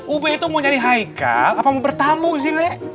ube itu mau nyari haikel apa mau bertamu sih nek